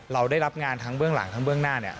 เราได้รับงานทั้งเบื้องหลังทั้งเบื้องหน้าเนี่ย